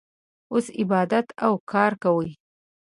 اوس عبادت او کار کوي.